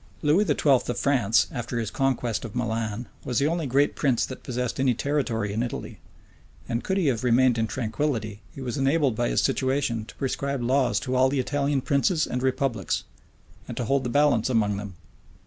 Lewis XII. of France, after his conquest of Milan, was the only great prince that possessed any territory in Italy; and could he have remained in tranquillity, he was enabled by his situation to prescribe laws to all the Italian princes and republics, and to hold the balance among them.